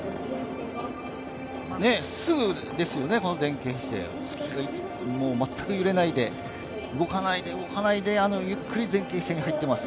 すぐですよね、この前傾姿勢、スキーが全く揺れないで、動かないで動かないでゆっくり前傾姿勢に入っています。